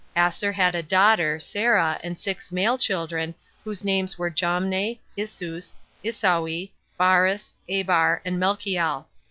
Aser had a daughter, Sarah, and six male children, whose names were Jomne, Isus, Isoui, Baris, Abar and Melchiel.